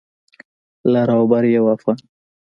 لر او بر يو افغان.